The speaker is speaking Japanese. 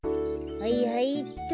はいはいっと。